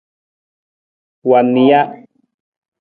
Wa nija.